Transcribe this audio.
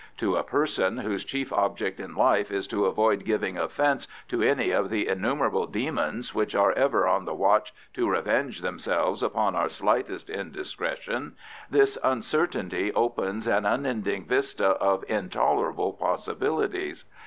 To a person whose chief object in life is to avoid giving offence to any of the innumerable demons which are ever on the watch to revenge themselves upon our slightest indiscretion, this uncertainty opens an unending vista of intolerable possibilities.